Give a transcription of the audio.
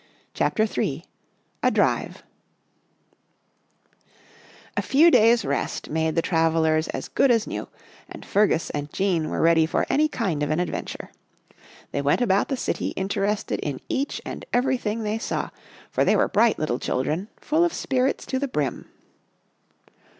CHAPTER III A DRIVE A FEW days' rest made the travellers as good as new and Fergus and Jean were ready for any kind of an adventure. They went about the city interested in each and everything they saw, for they were bright little children, full of spirits to the brim.